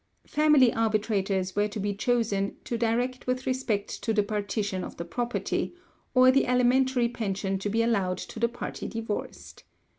Family arbitrators were to be chosen to direct with respect to the partition of the property, or the alimentary pension to be allowed to the party divorced.